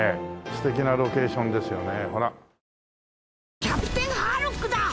素敵なロケーションですよね。